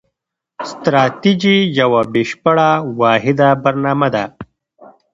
ستراتیژي یوه بشپړه واحده برنامه ده.